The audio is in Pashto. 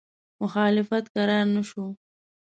مخالفت کرار نه شو.